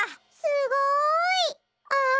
すごい！あ！